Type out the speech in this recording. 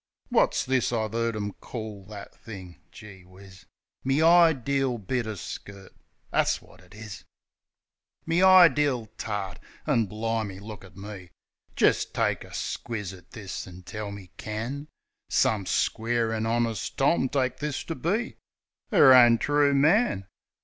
Wot's this I've 'eard them call that thing? ... Geewhizz! Me ideel bit o' skirt ! That's wot it is ! Me ideel tart! ... An', bli'me, look at me! Jist take a squiz at this, an' tell me can Some square an' honist torn take this to be 'Er own true man?